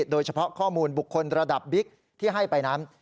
โดยเฉพาะข้อมูลบุคคลระดับบิ๊กที่ให้ไปนั้น